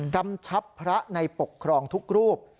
กำชับพระในปกครองทุกรูป